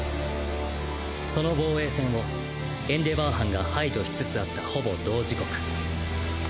その防衛線をエンデヴァー班が排除しつつあったほぼ同時刻